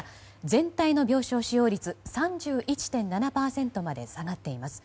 全体の病床使用率３１．７％まで下がっています。